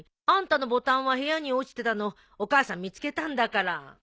あんたのボタンは部屋に落ちてたのお母さん見つけたんだから。